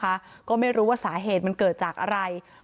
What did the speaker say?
เพราะไม่เคยถามลูกสาวนะว่าไปทำธุรกิจแบบไหนอะไรยังไง